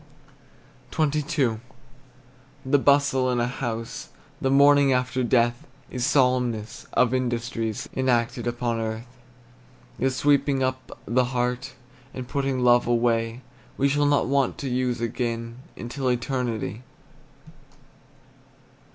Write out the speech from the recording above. XXII. The bustle in a house The morning after death Is solemnest of industries Enacted upon earth, The sweeping up the heart, And putting love away We shall not want to use again Until eternity.